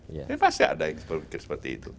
tapi pasti ada yang berpikir seperti itu